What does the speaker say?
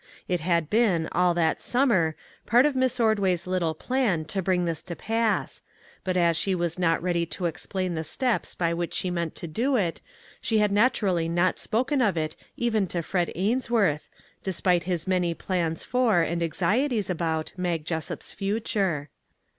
It had been, all that summer, part of Miss Ordway's little plan to bring this to pass, but as she was not ready to explain the steps by which she meant to do it, she had naturally not spoken of 295 MAG AND MARGARET it even to Fred Ainsworth, despite his many plans for, and anxieties about, Mag Jessup's future.